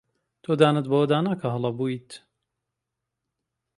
تۆ دانت بەوەدا نا کە هەڵە بوویت.